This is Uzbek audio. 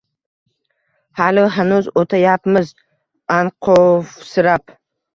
Hali hanuz oʼtayapmiz anqovsirab